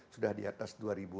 sudah di atas dua enam ratus